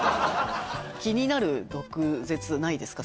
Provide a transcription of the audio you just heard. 気になる毒舌ないですか？